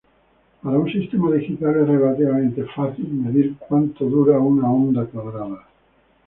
Para un sistema digital, es relativamente fácil medir cuanto dura una onda cuadrada.